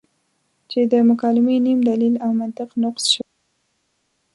چې د مکالمې نیم دلیل او منطق نقص شوی دی.